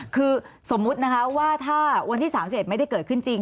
คือสมมุตินะคะว่าถ้าวันที่๓๑ไม่ได้เกิดขึ้นจริง